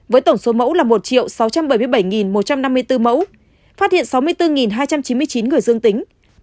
với tổng số mẫu là một sáu trăm bảy mươi bảy một trăm năm mươi bốn mẫu phát hiện sáu mươi bốn hai trăm chín mươi chín người dương tính